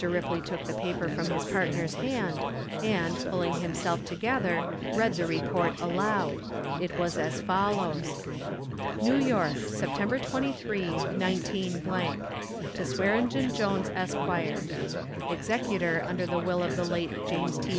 Ripley took the paper from his partner's hand and, pulling himself together, read the report aloud. It was as follows: NEW YORK, Sept. 23, 19 . To SWEARENGEN JONES, ESQ. Executor under the will of the late James T.